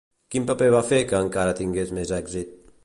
Quin paper va fer que encara tingués més èxit?